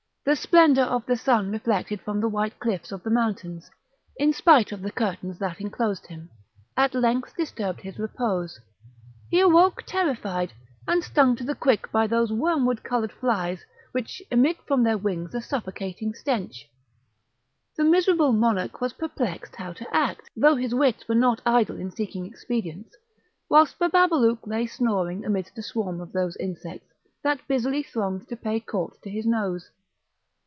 The splendour of the sun reflected from the white cliffs of the mountains, in spite of the curtains that enclosed him, at length disturbed his repose; he awoke terrified, and stung to the quick by those wormwood coloured flies, which emit from their wings a suffocating stench. The miserable monarch was perplexed how to act, though his wits were not idle in seeking expedients, whilst Bababalouk lay snoring amidst a swarm of those insects, that busily thronged to pay court to his nose.